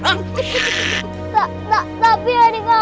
tak tak tak tapi harimau om